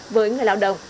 với người lao động